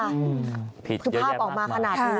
ผิดเยอะแยะมากคือภาพออกมาขนาดนี้